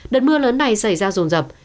đợt mưa lớn này xảy ra rồn rập